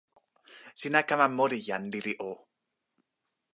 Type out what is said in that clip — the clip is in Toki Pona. sina kama moli, jan lili o!